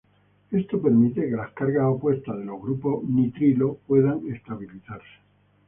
Esto permite que las cargas opuestas de los grupos nitrilo puedan estabilizarse.